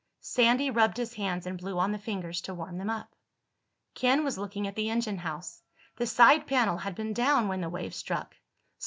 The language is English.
Sandy rubbed his hands and blew on the fingers to warm them up. Ken was looking at the engine house. The side panel had been down when the wave struck.